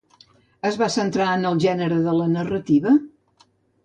Es va centrar en el gènere de la narrativa?